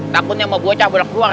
takutnya mau bocah balik luar